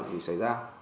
thì xảy ra